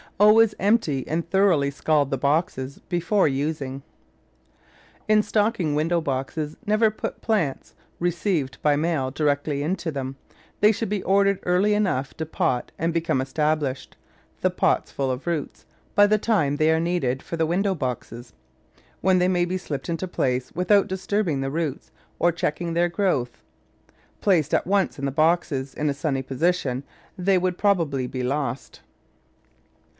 Always empty and thoroughly scald the boxes before using. In stocking window boxes never put plants received by mail directly into them; they should be ordered early enough to pot and become established (the pots full of roots) by the time they are needed for the window boxes, when they may be slipped into place without disturbing the roots or checking their growth. Placed at once in the boxes, in a sunny position, they would probably be lost.